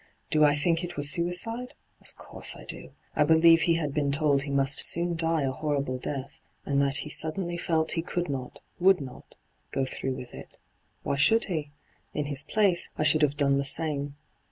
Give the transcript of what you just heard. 'Do I think it was suicide ? Of course I do. I beheve he had been told he must soon die a horrible death, and that he suddenly felt he could not, would not, go through with it. Why should he ? In his place, I should have done the same.